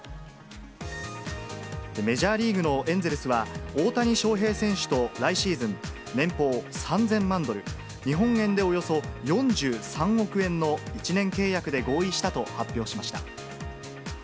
メジャーリーグのエンゼルスは、大谷翔平選手と来シーズン、年俸３０００万ドル、日本円でおよそ４３億円の１年契約で合意したと発表しました。